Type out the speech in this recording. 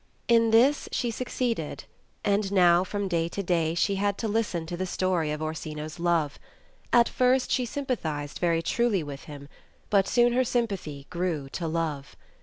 In this she succeeded, and now from day to day she had to listen to the story of Orsino's love. At first she sympathized very truly with him, but soon her sympathy grew to love.